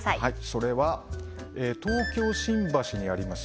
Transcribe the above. それは東京新橋にあります